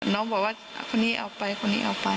น้องบอกว่าคนนี้เอาไปคนนี้เอาไป